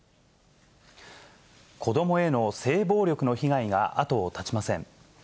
子どもへの性暴力の被害が後を絶ちません。